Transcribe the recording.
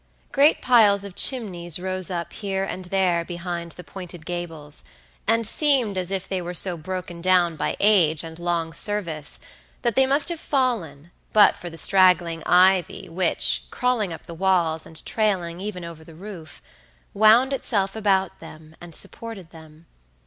Great piles of chimneys rose up here and there behind the pointed gables, and seemed as if they were so broken down by age and long service that they must have fallen but for the straggling ivy which, crawling up the walls and trailing even over the roof, wound itself about them and supported them.